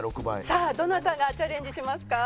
さあどなたがチャレンジしますか？